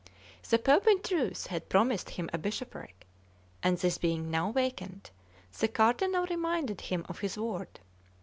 The Pope, in truth, had promised him a bishopric; and this being now vacant, the Cardinal reminded him of his word.